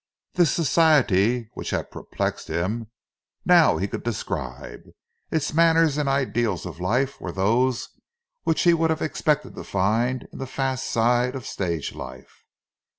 This "Society," which had perplexed him—now he could describe it: its manners and ideals of life were those which he would have expected to find in the "fast" side of stage life.